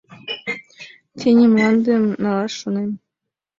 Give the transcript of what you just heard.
— Тений мландым налаш шонем.